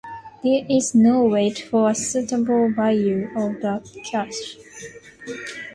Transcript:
There is no wait for a suitable buyer of the cash.